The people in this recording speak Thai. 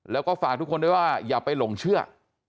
แล้วก็ฝากทุกคนด้วยว่าอย่าไปหลงเชื่อ